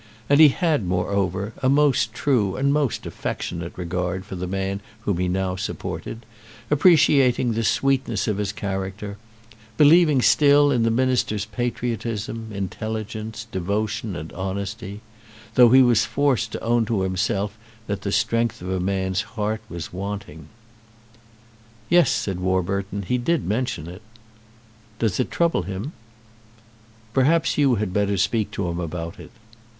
And he had, moreover, a most true and most affectionate regard for the man whom he now supported, appreciating the sweetness of his character, believing still in the Minister's patriotism, intelligence, devotion, and honesty; though he was forced to own to himself that the strength of a man's heart was wanting. "Yes," said Warburton; "he did mention it." "Does it trouble him?" "Perhaps you had better speak to him about it."